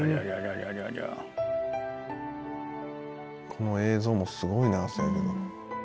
「この映像もすごいなせやけど」